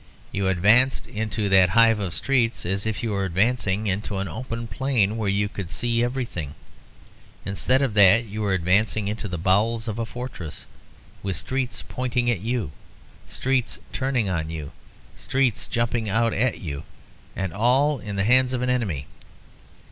You advanced into that hive of streets as if you were advancing into an open plain where you could see everything. Instead of that, you were advancing into the bowels of a fortress, with streets pointing at you, streets turning on you, streets jumping out at you, and all in the hands of the enemy.